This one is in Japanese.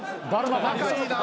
仲いいな。